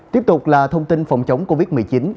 tiếp tục là thông tin phòng chống covid một mươi chín